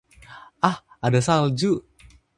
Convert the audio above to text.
Ah, ada salju!